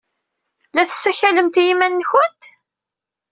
La tessakalemt i yiman-nwent?